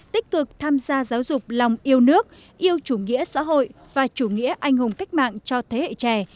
tích cực tham gia giáo dục lòng yêu nước yêu chủ nghĩa xã hội và chủ nghĩa anh hùng cách mạng cho thế hệ trẻ